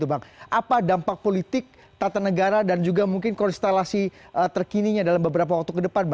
apa dampak politik tata negara dan juga mungkin konstelasi terkininya dalam beberapa waktu ke depan